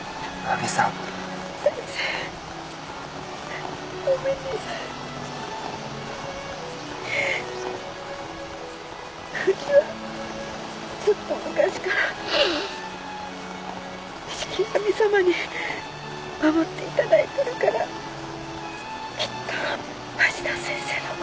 ウチはずっと昔から志木神様に守っていただいてるからきっと芦田先生のこと。